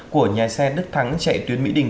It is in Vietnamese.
của nhà xe đức thắng chạy tuyến mỹ đình